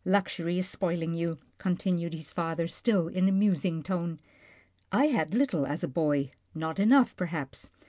" Luxury is spoiling you," continued his father, still in a musing tone. I had little as a boy, not enough, perhaps.